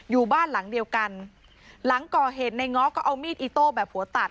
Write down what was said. อยู่บ้านหลังเดียวกันหลังก่อเหตุในง้อก็เอามีดอิโต้แบบหัวตัด